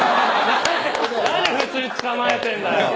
何で普通に捕まえてるんだよ！